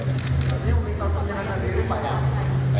itu urusan hukum lah